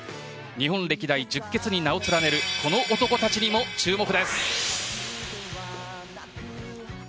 日本歴代十傑に名を連ねるこの男たちにも注目です。